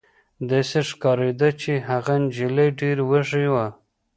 داسې ښکارېده چې هغه نجلۍ ډېره وږې وه